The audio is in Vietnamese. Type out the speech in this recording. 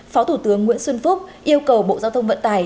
phó thủ tướng nguyễn xuân phúc yêu cầu bộ giao thông vận tải